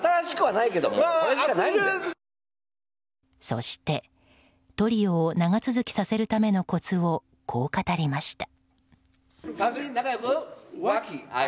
そして、トリオを長続きさせるためのコツをこう語りました。